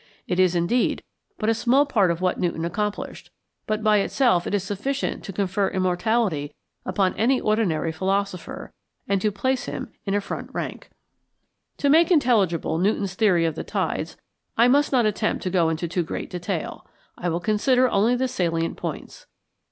It is, indeed, but a small part of what Newton accomplished, but by itself it is sufficient to confer immortality upon any ordinary philosopher, and to place him in a front rank. [Illustration: FIG. 110. Whirling earth model.] To make intelligible Newton's theory of the tides, I must not attempt to go into too great detail. I will consider only the salient points.